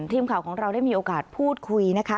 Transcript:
ทีมข่าวของเราได้มีโอกาสพูดคุยนะคะ